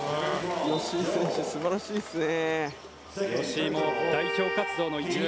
吉井選手は素晴らしいですね。